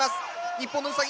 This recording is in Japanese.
日本のウサギ